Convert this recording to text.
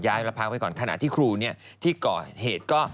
ย้ายแล้วพักไว้ก่อนขณะที่ครูเก่าเหตุก็